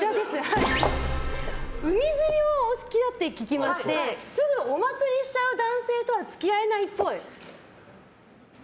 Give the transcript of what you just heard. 海釣りお好きだと聞きましてすぐおまつりしちゃう男性とは付き合えないっぽい。